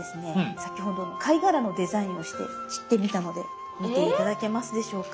先ほどの貝殻のデザインをして切ってみたので見て頂けますでしょうか。